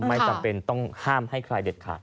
ไม่จำเป็นต้องห้ามให้ใครเด็ดขาด